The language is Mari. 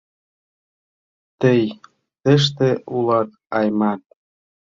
— Тый тыште улат, Аймат?